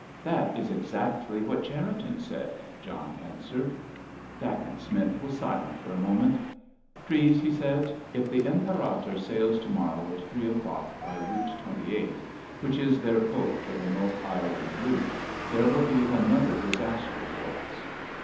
"That is exactly what Cherriton said," John answered. Dacent Smith was silent for a moment. "Treves," he said, "if the Imperator sails to morrow at three o'clock by Route 28, which is their code for the North Ireland route, there will be another disaster for us."